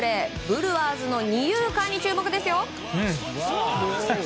ブルワーズの二遊間に注目ですよ。